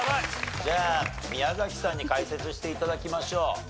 じゃあ宮崎さんに解説して頂きましょう。